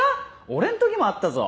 俺ん時もあったぞ。